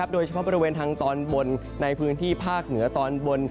โดยเฉพาะบริเวณทางตอนบนในพื้นที่ภาคเหนือตอนบน